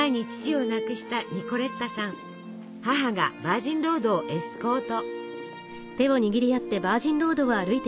母がバージンロードをエスコート。